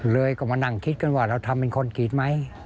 เลยก็มานั่งคิดกันว่าเราทำเป็นคนกรีตไหม